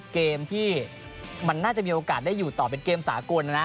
เกมที่มันน่าจะมีโอกาสได้อยู่ต่อเป็นเกมสากลนะนะ